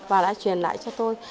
và đã truyền lại cho tôi